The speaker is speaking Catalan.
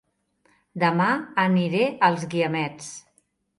Dema aniré a Els Guiamets